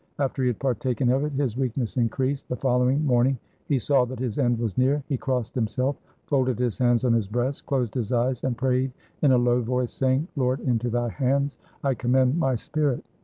After he had partaken of it his weakness increased. The following morning he saw that his end was near. He crossed himself, folded his hands on his breast, closed his eyes, and prayed in a low voice, saying, "Lord, into Thy hands I commend my spirit!"